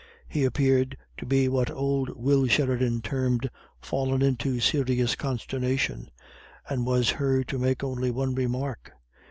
He appeared to be what old Will Sheridan termed, "fallen into a serious consternation," and was heard to make only one remark.